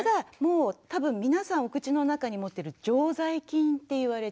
多分皆さんお口の中に持ってる常在菌っていわれてるんですね。